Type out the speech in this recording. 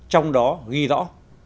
trong đó ghi rõ